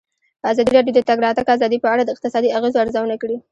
ازادي راډیو د د تګ راتګ ازادي په اړه د اقتصادي اغېزو ارزونه کړې.